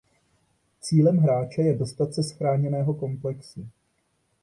Cílem hráče je dostat se z chráněného komplexu.